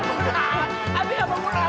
tapi abi jangan berpura pura